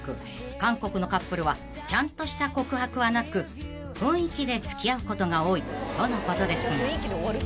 韓国のカップルはちゃんとした告白はなく雰囲気で付き合うことが多いとのことですが］